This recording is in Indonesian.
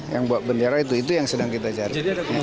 yang bawa bendera itu itu yang sedang kita cari